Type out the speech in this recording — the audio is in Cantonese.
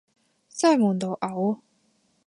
真係悶到嘔